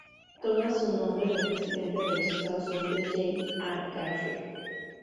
Toma su nombre del presidente de los Estados Unidos James A. Garfield.